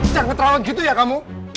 jangan terlalu gitu ya kamu